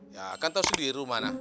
ya kan tau sendiri rumahnya